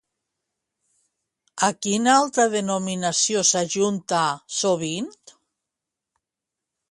A quina altra denominació s'ajunta, sovint?